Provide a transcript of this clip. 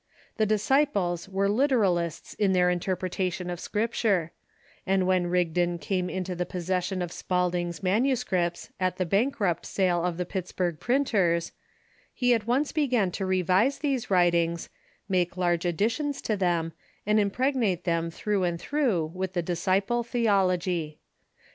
The Dis ciples Avere literalists in their interpretation of Scripture ; and when Rigdon came into the possession of Spaulding's manu scripts at the bankru])t sale of the Pittsburg printers, he at once began to revise these writings, make large additions to them, and impregnate them through and through with the Disciple theology.